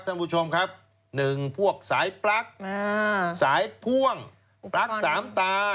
ท่านผู้ชมครับหนึ่งพวกสายปลั๊กสายพ่วงปลั๊กสามตา